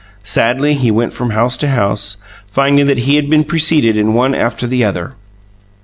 Sadly he went from house to house, finding that he had been preceded in one after the other.